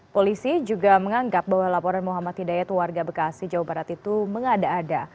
polisi juga menganggap bahwa laporan muhammad hidayat warga bekasi jawa barat itu mengada ada